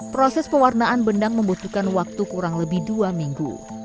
proses pewarnaan benang membutuhkan waktu kurang lebih dua minggu